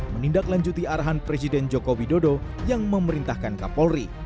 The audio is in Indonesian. menindaklanjuti arahan presiden joko widodo yang memerintahkan kapolri